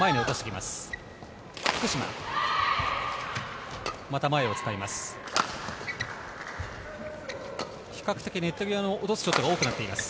また前を使います。